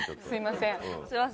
すいません。